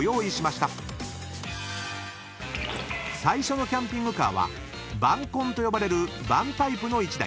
［最初のキャンピングカーはバンコンと呼ばれるバンタイプの１台。